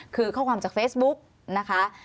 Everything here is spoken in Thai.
คือข้อความจากเฟซบุ๊กนะคะ